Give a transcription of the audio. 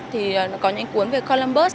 thì có những cuốn về columbus